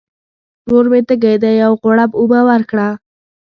ورور مي تږی دی ، یو غوړپ اوبه ورکړه !